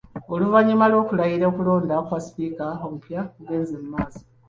Oluvannyuma lw’okulayira, okulonda kwa Sipiika omupya kugenze maaso.